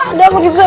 ada aku juga